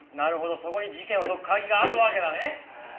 そこに事件を解く鍵があるわけだね！